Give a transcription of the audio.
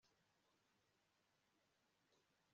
kandi koko abayoboke ba kristo